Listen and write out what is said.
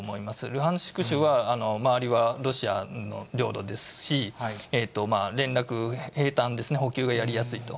ルハンシク州は、周りはロシアの領土ですし、連絡、へいたんですね、補給がやりやすいと。